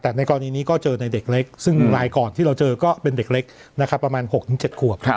แต่ในกรณีนี้ก็เจอในเด็กเล็กซึ่งรายก่อนที่เราเจอก็เป็นเด็กเล็กนะครับประมาณ๖๗ขวบ